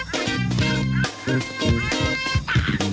ห้อนเวลา